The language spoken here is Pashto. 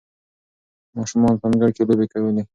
ماشومان په انګړ کې لوبې کولې.